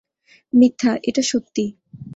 মিথ্যা - এটা সত্যি।